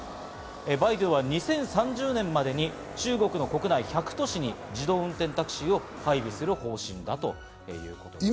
バイドゥは２０３０年までに中国の国内１００都市に自動運転タクシーを配備する方針だとしています。